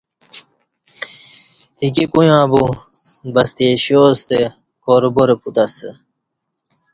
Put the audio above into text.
ایکی کویاں بو وسطی ایشیاستہ کاروبارہ پت اسہ